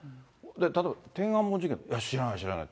例えば天安門事件、知らない、知らない。